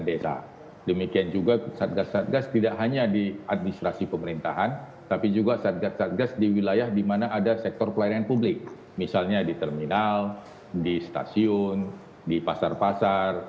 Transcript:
kemudian perjalanan dalam negeri ini juga diatur